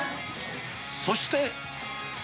そして。